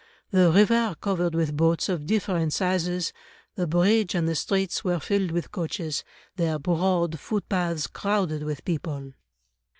The river covered with boats of different sizes, the bridge and the streets [were] filled with coaches, their broad footpaths crowded with people."